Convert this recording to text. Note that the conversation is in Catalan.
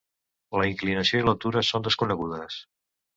La inclinació i l'altura són desconegudes.